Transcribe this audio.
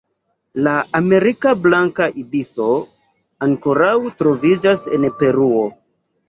La Amerika blanka ibiso ankoraŭ troviĝas en Peruo.